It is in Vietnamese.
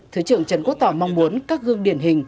thứ trưởng trần quốc tỏ mong muốn các gương điển hình